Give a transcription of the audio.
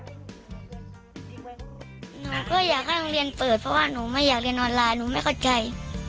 หนูก็อยากให้โรงเรียนเปิดเพราะว่าหนูไม่อยากเรียนออนไลน์หนูไม่เข้าใจ